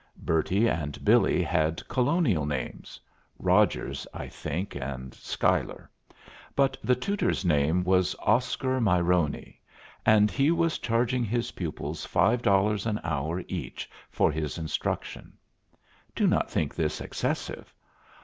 Bertie and Billy had colonial names (Rogers, I think, and Schuyler), but the tutor's name was Oscar Maironi, and he was charging his pupils five dollars an hour each for his instruction. Do not think this excessive.